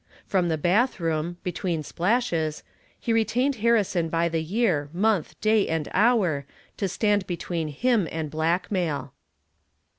From the bathroom, between splashes, he retained Harrison by the year, month, day and hour, to stand between him and blackmail.